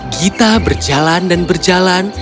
gita berjalan dan berjalan